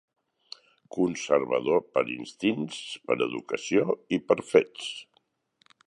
Conservador per instints, per educació i per fets